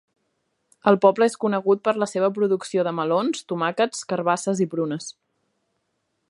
El poble és conegut per la seva producció de melons, tomàquets, carbasses i prunes.